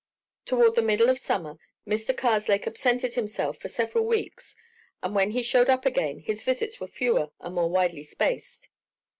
Toward the middle of summer Mr. Karslake absented himself for several weeks, and when he showed up again his visits were fewer and more widely spaced.